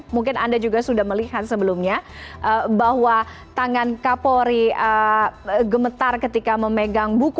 mungkin anda juga sudah melihat sebelumnya bahwa tangan kapolri gemetar ketika memegang buku